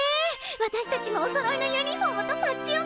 私たちもおそろいのユニフォームとパッチを作ろう！